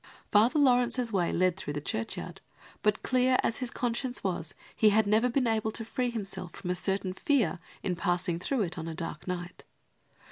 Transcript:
Father Laurence' way led through the churchyard, but clear as his conscience was, he had never been able to free himself from a certain fear in passing through it on a dark night.